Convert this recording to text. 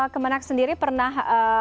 kemenang sendiri pernah